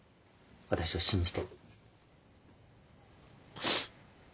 私を信じて